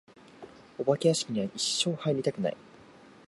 お化け屋敷には一生入りたくない。